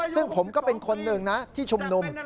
ซึ่งผมก็เป็นคนหนึ่งนะที่ชุมนุม